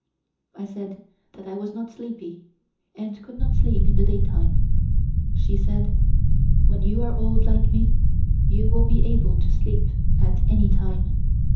I said that I was not sleepy, and could not sleep in the daytime. She said: "When you are old like me, you will be able to sleep at any time.